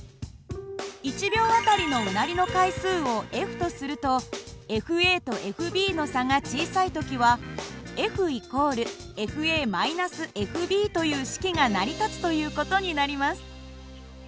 １秒あたりのうなりの回数をとするととの差が小さい時は＝｜−｜という式が成り立つという事になります。